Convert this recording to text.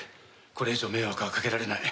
これ以上迷惑はかけられない。